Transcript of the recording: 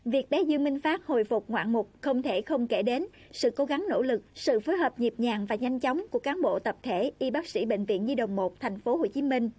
việc bé dư minh phát hồi phục ngoạn mục không thể không kể đến sự cố gắng nỗ lực sự phối hợp nhịp nhàng và nhanh chóng của cán bộ tập thể y bác sĩ bệnh viện nhi đồng một tp hcm